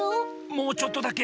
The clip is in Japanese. もうちょっとだけ。